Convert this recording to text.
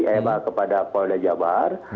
eh bahkan kepada kolda jabar